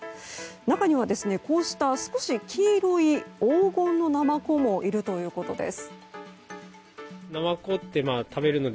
中には、こうした少し黄色い黄金のナマコもいるということです。